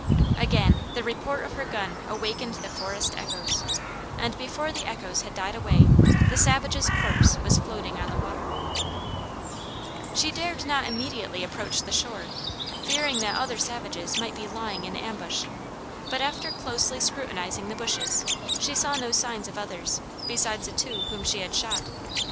Again the report of her gun awakened the forest echoes, and before the echoes had died away, the savage's corpse was floating on the water. [Illustration: THE HUNTRESS OF THE LAKES SURPRISED BY INDIANS] She dared not immediately approach the shore, fearing that other savages might be lying in ambush; but after closely scrutinizing the bushes, she saw no signs of others, besides the two whom she had shot.